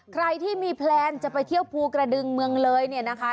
ใครที่มีแพลนจะไปเที่ยวภูกระดึงเมืองเลยเนี่ยนะคะ